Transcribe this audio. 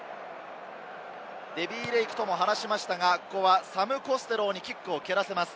デヴィ・レイクとも話しましたが、サム・コステローにキックを蹴らせます。